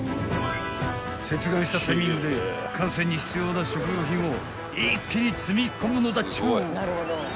［接岸したタイミングで艦船に必要な食料品を一気に積み込むのだっちゅう］